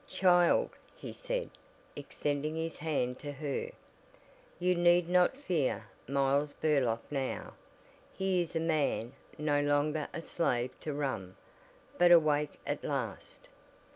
"Child," he said, extending his hand to her, "You need not fear Miles Burlock now. He is a man no longer a slave to rum but a wake at last."